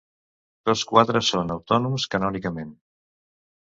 Tots quatre són autònoms canònicament.